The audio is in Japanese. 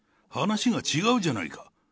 話が違うじゃないか。